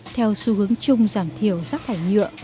theo xu hướng chung giảm thiểu rắc thải nhựa